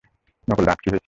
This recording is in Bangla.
নকল দাঁত - কি হয়েছিল?